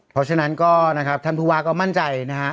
เพราะฉะนั้นก็นะครับท่านผู้ว่าก็มั่นใจนะฮะ